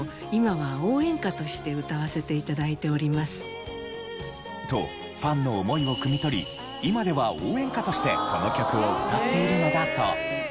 岡村さん自身も。とファンの思いをくみ取り今では応援歌としてこの曲を歌っているのだそう。